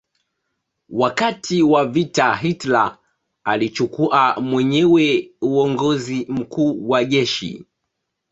Wakati wa vita Hitler alichukua mwenyewe uongozi mkuu wa jeshi.